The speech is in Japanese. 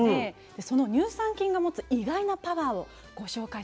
その乳酸菌が持つ意外なパワーをご紹介させて下さい。